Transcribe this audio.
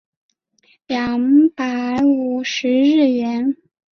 两百五十日圆